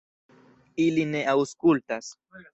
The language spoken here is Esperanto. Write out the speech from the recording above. Ili ne aŭskultas.